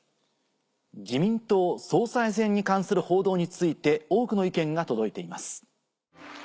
自民党総裁選に関する報道について多くの意見が届いています。